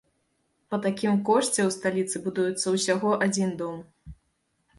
Па такім кошце ў сталіцы будуецца ўсяго адзін дом.